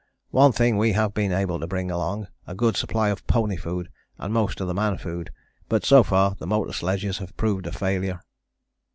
One thing we have been able to bring along a good supply of pony food and most of the man food, but so far the motor sledges have proved a failure.